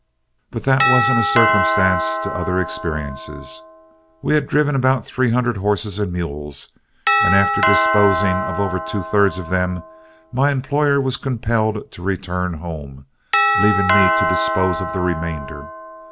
"But that wasn't a circumstance to other experiences. We had driven about three hundred horses and mules, and after disposing of over two thirds of them, my employer was compelled to return home, leaving me to dispose of the remainder.